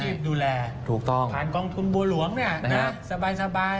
ให้มืออาชีพดูแลผ่านกองทุนบัวหลวงเนี่ยสบาย